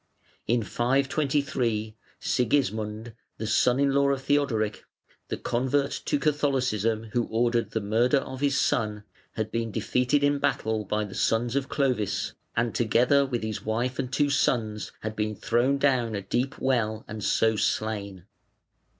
In 523 Sigismund, the son in law of Theodoric, the convert to Catholicism who ordered the murder of his son, had been defeated in battle by the sons of Clovis, and together with his wife and two sons had been thrown down a deep well and so slain.